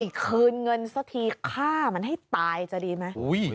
คืนเงินสักทีฆ่ามันให้ตายจะดีไหม